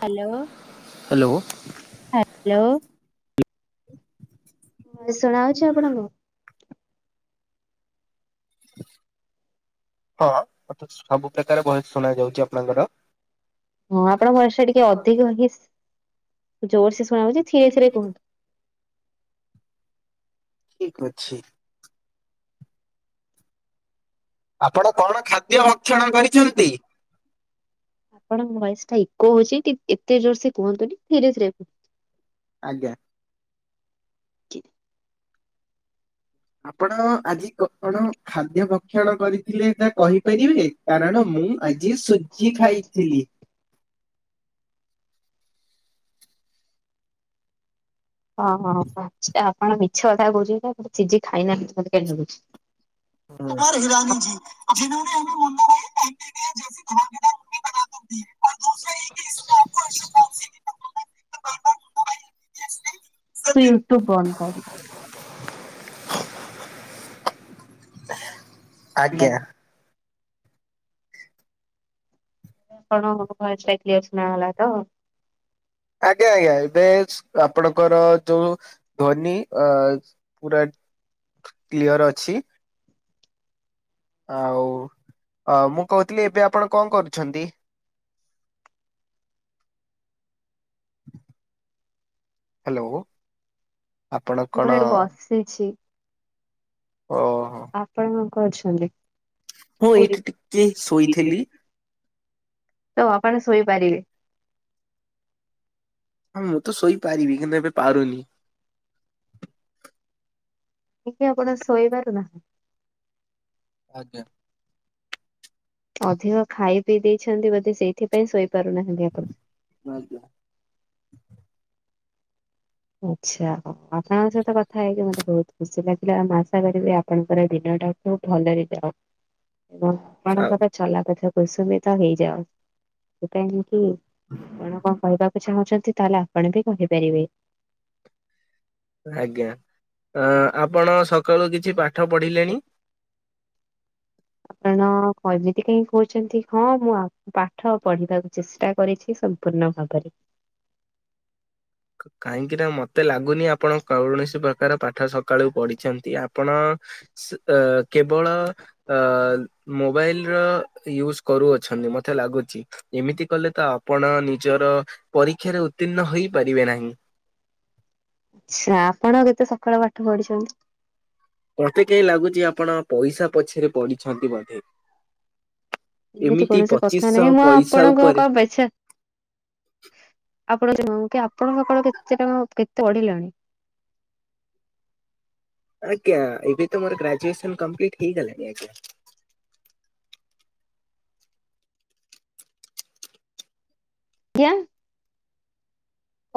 Hello hello. Hello. ଭାଇ ଶୁଣାଯାଉଛି ଆପଣଙ୍କୁ। ହଁ ମତେ ସବୁ ପ୍ରକାର ଭଏସ ଶୁଣା ଯାଉଛି ଆପଣଙ୍କର। ହଁ ଆପଣଙ୍କ ଭଏସ୍ ଟା ଟିକେ ଅଧିକ ଜୋରସେ ଶୁଣା ହଉଛି ଥିରେ ଥିରେ କୁହନ୍ତୁ। ଠିକ ଅଛି। ଆପଣ କଣ ଖାଦ୍ୟ ଭକ୍ଷଣ କରିଛନ୍ତି? ଆପଣଙ୍କ ଭଏସଟା ଇକୋ ହଉଛି ଏତେ ଜୋର ସେ କୁହନ୍ତୁନି ଧୀରେ ଧୀରେ କୁହନ୍ତୁ। ଆଜ୍ଞା। ଆପଣ ଆଜି କଣ ଖାଦ୍ୟ ଭକ୍ଷଣ କରିଥିଲେ ତା କହିପାରିବେ? କାରଣ ମୁଁ ଆଜି ସୁଜି ଖାଇଥିଲି। ଅହ ମଝିରେ ଆପଣ ମିଛ କଥା କହୁଛନ୍ତି ନାଁ କିଛି ଖାଇନାହାନ୍ତି ମତେ ଲାଗୁଛି। ଆପଣ [inaudible] ହ ସେ ୟୁଟ୍ୟୁବ ବନ୍ଦ୍ କରିଦେ। ଆଜ୍ଞା। କରିଦିଅନ୍ତୁ। ଆପଣଙ୍କୁ ମୋ ଭଏସ୍ ଟା କ୍ଲିଅର ସୁୁଣାଗଲା ତ। ଆଜ୍ଞା ଆଜ୍ଞା ଏବେ ଆପଣଙ୍କର ଯୋଉ। ଧ୍ୱନି ଅଜ ପୁରା କ୍ଲିୟର ଅଛି। ଆଉ ମୁଁ କହୁଥିଲି ଏବେ ଆପଣ କଁ କରୁଛନ୍ତି। ହାଲୋ। ମୁଁ ଏଡୁ ବସିଛି। ଓ। ଆପଣ କଣ କରଛନ୍ତି। ମୁଁ ଏଇଠି ଟିକେ ଶୋଇଥିଲି ତ ଆପଣ ଶୋଇପାରିବେ। ହଁ ମୁଁ ତ ଶୋଇପାରିବି କିନ୍ତୁ ଏବେ ପାରୁନି। ଟିକେ ଆପଣ ଶୋଇପାରୁନାହାନ୍ତି ଆଜ୍ଞା। ଅଧିକ ଖାଇ ପିଇ ଦେଇଛନ୍ତି ବୋଧେ ସେଇଥିପାଇଁ ଶୋଇ ପାରୁ ନାହାନ୍ତି ଆପଣ। ଆଜ୍ଞା। ଆଚ୍ଛା ହଉ ଆପଣଙ୍କ ସହିତ କଥା ହେଇକି ମତେ ବହୁତ ଖୁସି ଲାଗିଲା ମୁଁ ଆଶା କରିବି ଆପଣଙ୍କର ଦିନଟା। ବହୁତ ଭଲରେ ଯାଉ ଏବଂ ଆଉ, ଆପଣଙ୍କର ଚଲା ପଥ କସୁମିତ ତ ହେଇଯାଉ। ସେ କଗଲି କି ଆପଣ କଣ କହିବାକୁ ଚାହୁଁଛନ୍ତି ତାହେଲେ ଆପଣ ବି କହିପାରିବେ। ଆଜ୍ଞା ଆଁ ଆପଣ ସକାଳୁ କିଛି ପାଠ ପଢିଲେଣି। ଆପଣ କଯେଟି କାହିଁ କହୁଛନ୍ତି ହଁ ମୁଁ ଆ ପାଠ ପଢିବାକୁ ଚେଷ୍ଟା କରିଛି ସମ୍ପୂର୍ଣ୍ଣ ଭାବରେ। କାହିଁକି ନା ମତେ ଲାଗୁନି ଆପଣ କୌଣସି ପ୍ରକାର ପାଠ ସକାଳୁ ପଢିଛନ୍ତି ଆପଣ। ସେ ଏ କେବଳ। ଅ ମୋବାଇଲ ର ୟୁଜ କରୁଅଛନ୍ତି ମତେ ଲାଗୁଛି। ଏମିତି କଲେ ତ ଆପଣ ନିଜର ପରୀକ୍ଷାରେ ଉତ୍ତୀର୍ଣ୍ଣ ହେଇପାରିବେ ନାହିଁ। ଆଛା ଆପଣ କେତେ ସକାଳୁ ପାଠ ପଢିଛନ୍ତି। ମୋତେ କେହି ଲାଗୁଛି ଆପଣ ପଇସା ପଛରେ ପଡିଛନ୍ତି ବୋଧେ। ଏମିତି କୌଣସି କଥା ପଚିଶଶହ ନାହିଁ ମୁଁ ପଇସା ଆପଣଙ୍କ ଉପରେ କଣ ପ ଇଛା। ଆପଣ ଯେଉଁ କି ଆପଣଙ୍କ କଣ କେତେ କେତେ ପଢିଲଣି।। ଆଜ୍ଞା ଏବେ ତ ମୋର ଗ୍ରାଜୁଏସନ କମ୍ପ୍ଲିଟ୍ ହେଇଗଲାଣି ଆଜ୍ଞା। ଆଜ୍ଞା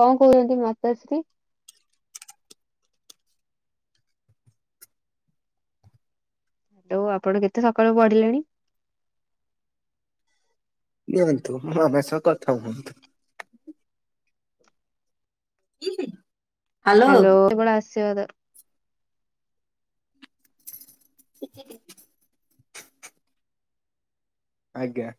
କଣ କହୁଛନ୍ତି ମାତାଶ୍ରୀ। ଆଉ ଆପଣ କେତେ ସକାଳୁ ପଢିଲେଣି। ନିଅନ୍ତୁଁ ମୋ ମାମା ସହ କଥା ହୁଅନ୍ତୁ‌‌। ହାଲୋ କେତେବେଳେ ଆସିବ ଦର [unintelligible] ଆଜ୍ଞା।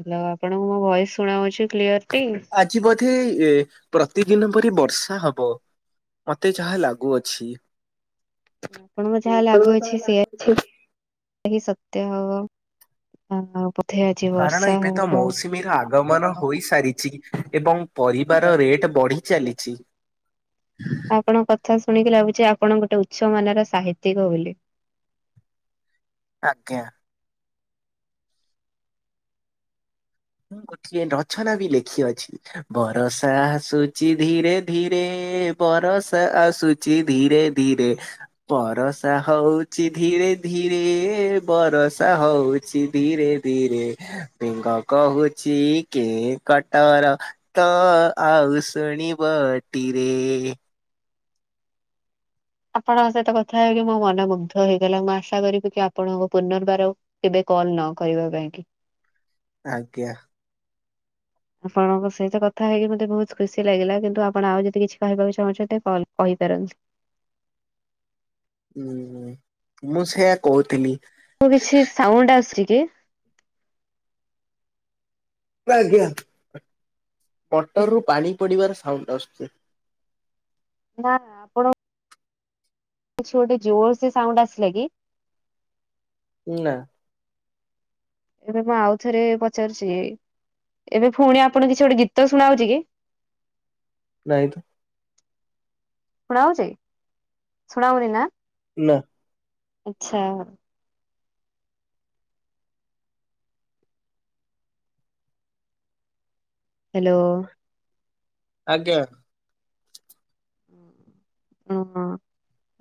ହାଲୋ ଆପଣଙ୍କୁ ମୋ ଭଏସ ଶୁଣାଉଛି କ୍ଲିୟରଟି। ଆଜି ବୋଧେ ଏ ପ୍ରତିଦିନ ପରି ବର୍ଷା ହବ। ମତେ ଯାହା ଲାଗୁଅଛି। ଆପଣଙ୍କୁ ଯାହା ଆଜି ସତ୍ୟ ହବ। ଆଉ ବୋଧେ ଆଜି କାରଣ ବର୍ଷା ଏବେ ତ ହବ ମୌସୁମୀର ଆଗମନ ହୋଇସାରିଛି ଏବଂ। ପରିବାର ରେଟ୍ ବଢି ଚାଲିଛି। ଆପଣଙ୍କ କଥା ଶୁଣିକି ଲାଗୁଛି ଆପଣ ଗୋଟେ ଉଚ୍ଚ ମାନର ସାହିତ୍ୟିକ ବୋଲି। ଆଜ୍ଞା। ମୁଁ ଗୋଟିଏ ରଚନା ବି ଲେଖିଅଛି। ବରଷା ଆସୁଛି ଧୀରେ ଧୀରେ ବରଷା ଆସୁ ଚି ଧୀରେ ଧୀରେ। ବରଷା ହଉଚି ଧୀରେ ଧୀରେ ବରଷା ହଉଚି ଧୀରେ ଧିରେ ବେଙ୍ଗ କହୁଛି କେଁ କଟର। ତ ଆଉ ଶୁଣିବଟିରେ। ଆପଣଙ୍କ ସହିତ କଥା ହେ କି ମୋ ମନ ମୁଗ୍ଧ ହେଇଗଲା ମୁଁ ଆଶା କରିବି କି ଆପଣଙ୍କୁ ପୁନର୍ବାର। କେବେ କଲ୍ ନ କରିବା ପାଇଁ କି। ଆଜ୍ଞା। ଆପଣଙ୍କ ସହିତ କଥା ହେଇକି ମତେ ବହୁତ ଖୁସି ଲାଗିଲା। କିନ୍ତୁ ଆପଣ ଆଉ ଯଦି କିଛି କହିବାକୁ ଚାହୁଁଛନ୍ତି କଲ୍ କହିପାରନ୍ତି। ଉଁ ହୁଁ ମୁଁ ସେୟା କହୁଥିଲି। ମୁଁ କିଛି ସାଉଣ୍ଡ ଆସୁଛି କି। ଆଜ୍ଞା ମଟର ରୁ ପାଣି ପଡିବାର ସାଉଣ୍ଡ ଆସୁଛି। ନା ଆପଣ ଛି ଗୋଟେ ଜୋର ସେ ସାଉଣ୍ଡ ଆସିଲା କି? ଉଁ ନା। ଏବେ ମୁଁ ଆଉ ଥରେ ପଚାରୁଛି ଏବେ ପୁଣି ଆପଣ କିଛି ଗୋଟେ ଗୀତ ଶୁଣାଉଛି କି? ନାହିଁ ତ। ଶୁଣାଉଛି ଶୁଣାଉନି ନା। ନାଁ। ଆଛା ହ୍ୟାଲୋ। ଆଜ୍ଞା। ହଁ ହଁ।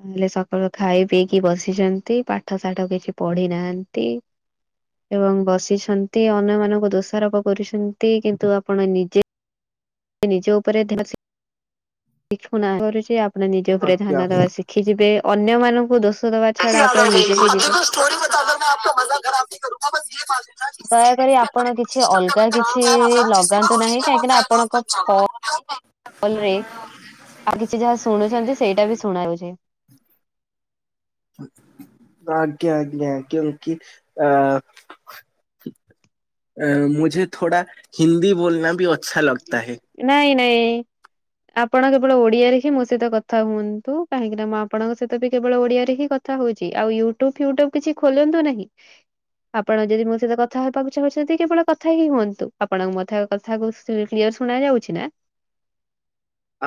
ଖାଲି ସକାଳୁ ଖାଇ ପିଇକି ବସିଛନ୍ତି ପାଠ ସାଠ କିଛି ପଢି ନାହାନ୍ତି। ଏବଂ ବସିଛନ୍ତି ଅନ୍ୟମାନଙ୍କୁ ଦୋଷାରୋପ କରୁଛନ୍ତି କିନ୍ତୁ ଆପଣ ନିଜେ। ନିଜ ଉପରେ ଅଧିକ ଶିଖ ଶିଖୁ କରୁଛି ଆପଣ ନିଜ ଉପରେ ଆଜ୍ଞା। ଧ୍ୟାନ ଦେବା ଶିଖ ସିଖି ଯିବେ ଅନ୍ୟମାନଙ୍କୁ ଦୋଷ ଦବା ଛଡା ଆପଣ ନିଜେ ବି ଜୀବନ ଦେଖ ସ୍ଷ୍ଟୋରି ବତାଦ ମ ଆପ ମା ଖରାବତି କରୁା ବସ ଦୟାକରି ବା ଆପଣ କିଛି ଅଲଗା କିଛି [inaudible] ଲଗାନ୍ତୁ ନାହିଁ କାହିଁକି ନା ଆପଣଙ୍କ [unintelligible] ଆଉ କଣ। ରେ ଆଉ କିଛି ଯାହା ଶୁଣୁଛନ୍ତି ସେଇଟା ବି ଶୁଣା ଯାଉଛି। ଆଜ୍ଞା ଆଜ୍ଞା କ୍ୟୁଙ୍କି ଆ ଆ ମୁଝେ ଥୋଡା ହିନ୍ଦୀ ବୋଲନା ବି ଅଛା ଲଗତା ହେ। ନାଇଁ ନାଇଁ। ଆପଣ କେବଳ ଓଡିଆରେ ହିଁ ମୋ ସହିତ କଥା ହୁଅନ୍ତୁ କାହିଁକି ନା ମୁଁ ଆପଣଙ୍କ ସହିତ ବି କେବଳ ଓଡିଆରେ ହିଁ କଥା। କଥା ହଉଛି ଆଉ ୟୁଟ୍ୟୁବ ଫ୍ୟୁଟୁବ କିଛି ଖୋଲନ୍ତୁ ନାହିଁ। ଆପଣ ଯଦି ମୋ ସହିତ କଥା ହେବାକୁ ଚାହୁଁଛନ୍ତି କେବଳ କଥା ହିଁ ହୁଅନ୍ତୁ ଆପଣଙ୍କ ମ ଥ କଥା କୁ। କ୍ଲିୟର ଶୁଣା ଯାଉଛି ନା।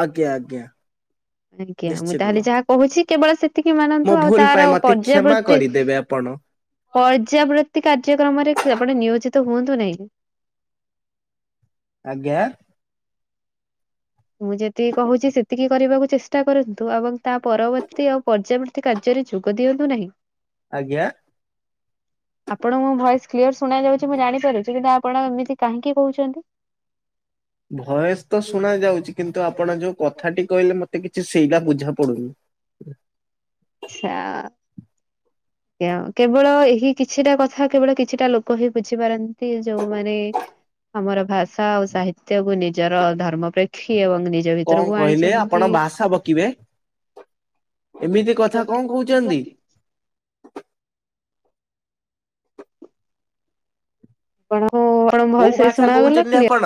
ଆଜ୍ଞା ଆଜ୍ଞା। ଆଜ୍ଞା ମୁଁ ନିଶ୍ଚିତ। ତାହେଲେ ଯାହା କହୁଛି କେବଳ ସେତିକି ମୋ ମାନନ୍ତୁ ଆଉ ଭୁଲ ପାଇଁ ତାର ମତେ କ୍ଷମା ପର୍ଯ୍ୟାବୃତ୍ତିରେ। କରିଦେବେ ଆପଣ। ପର୍ଯ୍ୟାବୃତ୍ତି କାର୍ଯ୍ୟକ୍ରମରେ ଆପଣେ ନିୟୋଜିତ ହୁଅନ୍ତୁ ନାହିଁ। ଆଜ୍ଞା। ମୁଁ ଯେତିକି କହୁଛି ସେତିକି କରିବାକୁ ଚେଷ୍ଟା କରନ୍ତୁ ଏବଂ ତା ପରବର୍ତ୍ତୀ ଆଉ ପର୍ଯ୍ୟାବର୍ତ୍ତ କାର୍ଯ୍ୟରେ ଯୋଗ ଦିଅନ୍ତୁ ନାହିଁ। ଆଜ୍ଞା। ଆପଣଙ୍କୁ ମୋ ଭଏସ କ୍ଲିୟର ଶୁଣ ଯାଉଛି ମୁଁ ଜାଣିପାରୁଛି। କିନ୍ତୁ ଆପଣ ଏମିତି କାହିଁକି କହୁଛନ୍ତି? ଭୟସ ତ ଶୁଣା ଯାଉଛି କିନ୍ତୁ ଆପଣ ଯୋଉ କଥାଟି କହିଲେ ମତେ କିଛି ସେଇଟା ବୁଝା ପଡୁନି। ଛା ଆଜ୍ଞ କେବଳ ଏହି କିଛିଟା କଥା କେବଳ କିଛିଟା ଲୋକ ହିଁ ବୁଝିପାରନ୍ତି ଯୋଉମାନେ ଆମର ଭାଷା ଆଉ ସାହିତ୍ୟକୁ ନିଜର ଧର୍ମ ପ୍ରେକ୍ଷୀ ଏବଂ ନି କଣ କହିଲେ ଆପଣ ଭାଷା ବକିବେ ଏମିତି କଥା କଣ କହୁଛନ୍ତି। ଆପଣଙ୍କୁ କଣ କୋଉ ଭଲସେ ଭାଷା ଶୁଣାଗଲା କହୁଛନ୍ତି କ୍ଲିଅର? ଆପଣ?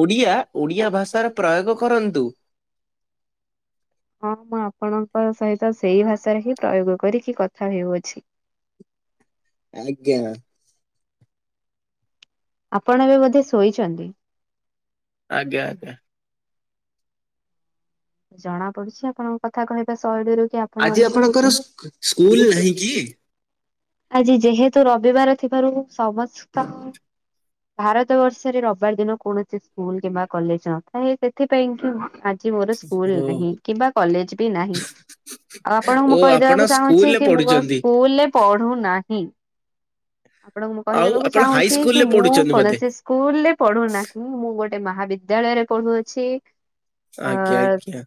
ଓଡିଆ ଓଡିଆ ଭାଷାର ପ୍ରୟୋଗ କରନ୍ତୁ। ହଁ ମୁଁ ଆପଣଙ୍କ ସହିତ ସେଇ ଭାଷାରେ ହିଁ ପ୍ରୟୋଗ କରିକି କଥା ହେଉଅଛି। ଆଜ୍ଞା। ଆପଣ ଏବେ ବୋଧେ ଶୋଇଛନ୍ତି। ଆଜ୍ଞା ଆଜ୍ଞା। ଜଣା ପଡୁଛି ଆପଣଙ୍କ କଥା କହିବା ଶୈଳୀରୁ କି ଆପଣ ଆଜି ଏବେ ଆପଣଙ୍କର ସ୍କୁ ସ୍କୁଲ ନାହିଁ କି? ଶୋଇଛନ୍ତି। ଆଜି ଯେହେତୁ ରବିବାର ଥିବାରୁ ସମସ୍ତ ଭାରତ ବର୍ଷରେ ରବିବାର ଦିନ କୌଣସି ସ୍କୁଲ କିମ୍ବା କଲେଜ ନଥାଏ ସେଥିପାଇଁ କି ଆଜି ମୋର ଓ ସ୍କୁଲ ନାହିଁ କିମ୍ବା କଲେଜ ବି ନାହିଁ। ଆଉ ଆପଣଙ୍କୁ ଓ ମୁଁ ଆପଣ କହିଦବାକୁ ଚାହୁଁଛି ସ୍କୁଲରେ କି ମୁଁ ପଢୁଛନ୍ତି। ସ୍କୁଲରେ ପଢୁନାହିଁ ଆପଣଙ୍କୁ ମୁଁ ଆଉ କହିଦେବାକୁ ଆପଣ ହାଇ ଚାହୁଁଛି କି ସ୍କୁଲରେ ମୁଁ ପଢୁଛନ୍ତି ବୋଧେ? କୌଣସି ସ୍କୁଲ ରେ ପଢୁନାହିଁ। ମୁଁ ଗୋଟେ ମହାବିଦ୍ୟାଳୟରେ ପଢୁଅଛି। ଆଜ୍ଞା ଅ ଆଜ୍ଞା।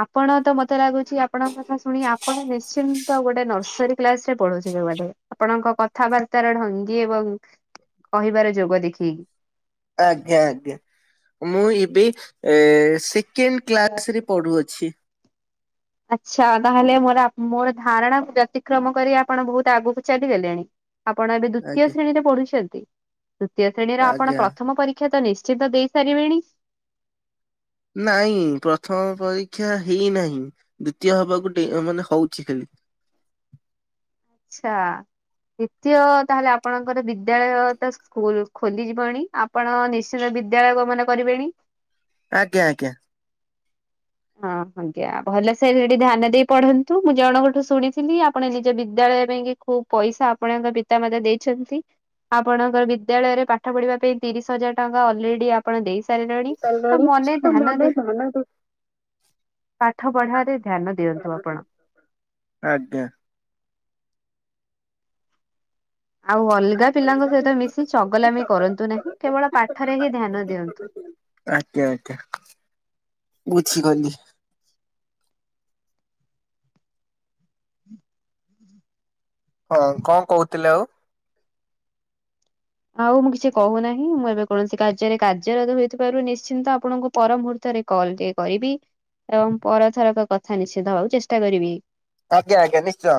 ଆପଣ ତ ମତେ ଲାଗୁଛି ଆପଣଙ୍କ କଥା ଶୁଣି ଆପଣ ନିଶ୍ଚିନ୍ତ ଗୋଟେ ନର୍ସରୀ କ୍ଲାସ ରେ ପଢୁଥିବେ ବୋଧେ ଆପଣଙ୍କ କଥାବାର୍ତ ର ଢଙ୍ଗି ଏବଂ କହିବାର ଯୋଗ ଦେଖିକି। ଆଜ୍ଞା ଆଜ୍ଞା ମୁଁ ଏବେ ଏ ଶି କେନ୍ କ୍ଲାସ ରେ ପଢୁଅଛି। ହ ଆଚ୍ଛା ତାହେଲେ ମୋର ମୋର ଧାରଣା କ ବ୍ୟତିକ୍ରମ କରି ଆପଣ ବହୁତ ଆଗକୁ ଚାଲିଗଲେଣି। ଆପଣ ଏବେ ଦ୍ଵିତୀୟ ଆଜ୍ଞା ଶ୍ରେଣୀରେ ପଢୁଛନ୍ତି ଦ୍ଵିତୀୟ ଶ୍ରେଣୀର ଆପଣ ଆଜ୍ଞା। ପ୍ରଥମ ପରୀକ୍ଷା। ଶିକ୍ଷା ତ ନିଶ୍ଚିିତ ଦେଇସାରିବେଣି। ନାଇଁ ପ୍ରଥମ ପରୀକ୍ଷା ହେଇନାହିଁ ଦ୍ଵିତୀୟ ହବାକୁ ମାନେ ହଉଛି ଖାଲି। ଚ୍ଛା। ଦ୍ୱିତୀୟ ତାହେଲେ ଆପଣଙ୍କର ବିଦ୍ୟାଳୟ ତ ସ୍କୁଲ ଖୋଲିଯିବଣି ଆପ୍ ଆପଣ ନିଶ୍ଚିତ ବିଦ୍ୟାଳୟ ଗମନ କରିବେଣି? ଆଜ୍ଞା ଆଜ୍ଞା। ହଁ ଆଜ୍ଞା ଭଲ ସେ ସେଠି ଧ୍ୟାନ ଦେଇ ପଢନ୍ତୁ। ମୁଁ ଜଣଙ୍କଠୁ ଶୁଣିଥିଲି ଆପଣ ନିଜ ବିଦ୍ୟାଳୟ ପାଇଁ ହୋ ପଇସା ଆପଣଙ୍କ ପିତାମାତା ଦେଇଛନ୍ତି। ଆପଣଙ୍କର ବିଦ୍ୟାଳୟରେ ପାଠ ପଢିବା ପାଇଁ ତିରିଶ ହଜାର ଟଙ୍କା ଅଲରେଡି ଆପଣ ଦେଇ ସାରିଲେଣି ତ ମନେ ଧ୍ୟାନ ଦେ ମାନଙ୍କୁ ପାଠ ପଢାରେ ଧ୍ୟାନ ଦିଅନ୍ତୁ ଆପଣ। ଆଜ୍ଞା। ଆଉ ଅଲଗା ପିଲାଙ୍କ ସହିତ ମିଶି ଚଗଲାମି କରନ୍ତୁ ନାହିଁ। କେବଳ ପାଠରେ ହିଁ ଧ୍ୟାନ ଦିଅନ୍ତୁ। ଆଜ୍ଞା ଆଜ୍ଞା ବୁଝି ଗଲି। ହୁଁ। ହଁ କଣ କହୁଥିଲେ ଆଉ? ଆଉ ମୁଁ କିଛି କହୁନାହିଁ ମୁଁ ଏବେ କୌଣସି କାର୍ଯ୍ୟରେ କାର୍ଯ୍ୟରତ ହେଇଥିବାରୁ ନିଶ୍ଚିନ୍ତ ଆପଣଙ୍କ ପର ମୁହୂର୍ତ୍ତରେ କଲ ଟିକେ କରିବି ଏବଂ ପରଥରକ କଥା ନିଷେଧବାକୁ ଚେଷ୍ଟା କରିବି। ଆଜ୍ଞା ଆଜ୍ଞା ନିଶ୍ଚୟ।